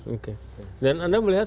oke dan anda melihat